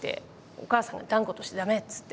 お母さんが断固として駄目っつって。